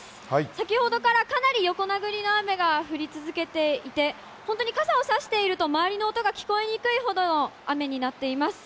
先ほどからかなり横殴りの雨が降り続けていて、本当に傘を差していると、周りの音が聞こえにくいほどの雨になっています。